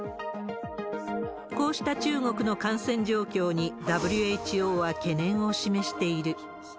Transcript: こうした中国の感染状況に、ＷＨＯは懸念を示している。